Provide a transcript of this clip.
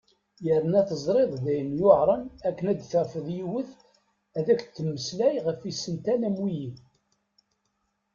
Yerna teẓriḍ d ayen yuɛren akken ad tafeḍ yiwet ad ak-d-temmeslay ɣef isental a wiyi.